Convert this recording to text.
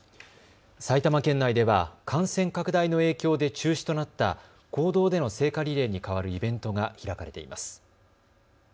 埼玉県内では感染拡大の影響で中止となった公道での聖火リレーに代わるイベントが開かれています。